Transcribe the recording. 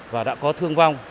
và đã có thương vong